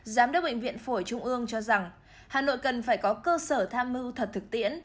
giám đốc bệnh viện phổi trung ương cho rằng hà nội cần phải có cơ sở tham mưu thật thực tiễn